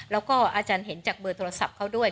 แล้วก็อาจารย์เห็นจากเบอร์โทรศัพท์เขาด้วย